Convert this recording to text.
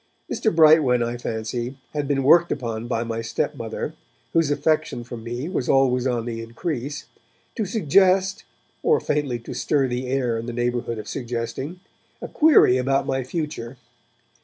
Mr. Brightwen, I fancy, had been worked upon by my stepmother, whose affection for me was always on the increase, to suggest, or faintly to stir the air in the neighbourhood of suggesting, a query about my future.